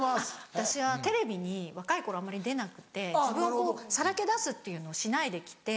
私はテレビに若い頃あんまり出なくて自分をさらけ出すっていうのをしないで来て。